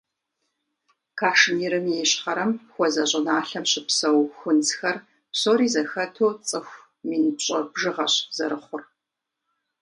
Кашмирым и ищхъэрэм хуэзэ щӏыналъэм щыпсэу хунзхэр псори зэхэту цӏыху мин пщӏы бжыгъэщ зэрыхъур.